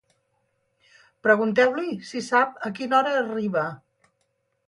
Pregunteu-li si sap a quina hora arriba.